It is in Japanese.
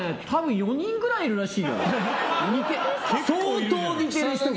４人ぐらいいるらしい。